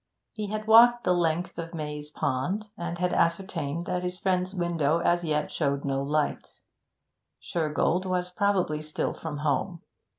He had walked the length of Maze Pond and had ascertained that his friend's window as yet showed no light; Shergold was probably still from home.